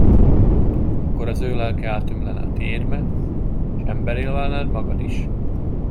Akkor az ő lelke átömlene a tiédbe, s emberré válnál magad is.